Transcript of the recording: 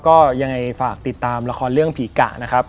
ก็ยังไงฝากติดตามละครเรื่องผีกะนะครับ